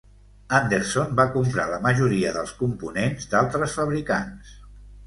Anderson va comprar la majoria dels components d'altres fabricants.